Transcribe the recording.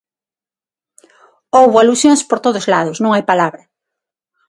Houbo alusións por todos lados, non hai palabra.